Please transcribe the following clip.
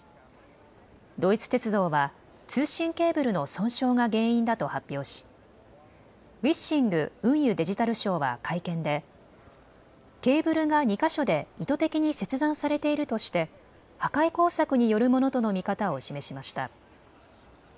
ドイツ鉄道は通信ケーブルの損傷が原因だと発表しウィッシング運輸・デジタル相は会見でケーブルが２か所で意図的に切断されているとして破壊工作によるものとの見方を示しました。